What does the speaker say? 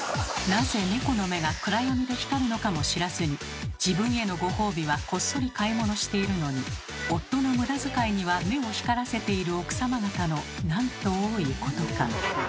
なぜネコの目が暗闇で光るのかも知らずに自分へのご褒美はこっそり買い物しているのに夫の無駄遣いには目を光らせている奥様方のなんと多いことか。